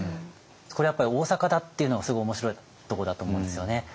これやっぱり大阪だっていうのがすごい面白いとこだと思うんですよね。